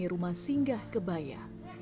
penghuni rumah singgah kebaya